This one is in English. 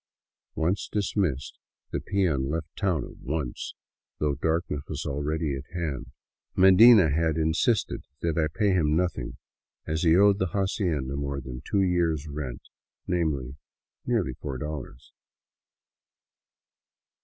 Once dismissed, the peon left town at once, though darkness was already at hand. Medina had insisted that I pay him nothing, as he owed the hacienda more than two years' rent — namely, nearly four dollars.